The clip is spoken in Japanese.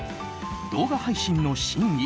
動画配信の真意